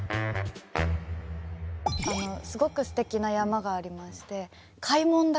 すごくすてきな山がありまして開聞岳。